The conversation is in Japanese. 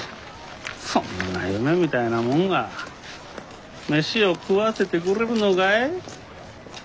そんな夢みたいなもんが飯を食わせてくれるのかい。